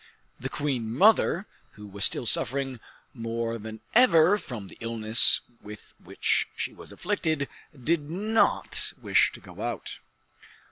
The queen mother, who was still suffering more than ever from the illness with which she was afflicted, did not wish to go out.